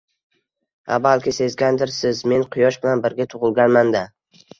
— Ha, balki sezgandirsiz, men quyosh bilan birga tug‘ilganman-da.